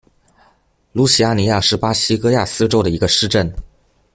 卢齐阿尼亚是巴西戈亚斯州的一个市镇。